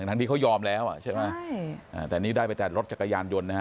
ทั้งที่เขายอมแล้วอ่ะใช่ไหมแต่นี่ได้ไปแต่รถจักรยานยนต์นะฮะ